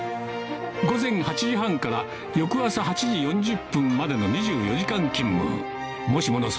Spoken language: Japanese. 午前８時半から翌朝８時４０分までの２４時間勤務もしもの